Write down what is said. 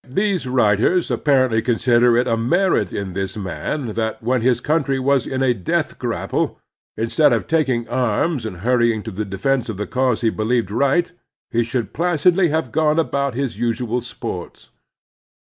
These writers appa rently consider it a merit in this man that when his cotmtry was in a death grapple, instead of taking arms and hurrying to the defense of the cause he believed right, he shotdd placidly have gone about his usual sports.